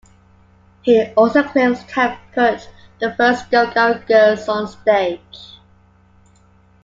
He also claims to have put the first go-go girls onstage.